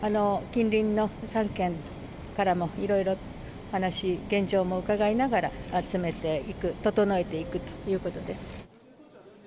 近隣の３県からも、いろいろ話、現状も伺いながら、詰めていく、整えていくということです。